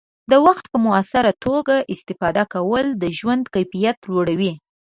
د وخت په مؤثره توګه استفاده کول د ژوند کیفیت لوړوي.